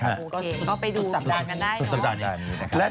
ก็ไปดูสัปดาห์กันได้เนอะ